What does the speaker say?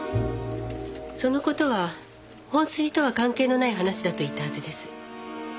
その事は本筋とは関係のない話だと言ったはずです。